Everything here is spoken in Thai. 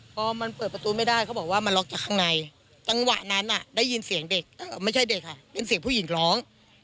พอมันเปิดประตูไม่ได้เขาบอกว่ามันล็อกจากข้างในจังหวะนั้นได้ยินเสียงเด็กไม่ใช่เด็กค่ะเป็นเสียงผู้หญิงร้อง